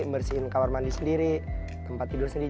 bersihin kamar mandi sendiri tempat tidur sendiri